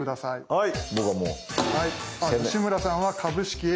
はい。